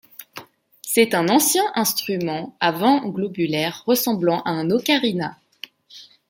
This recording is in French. C'est un ancien instrument à vent globulaire ressemblant à un ocarina.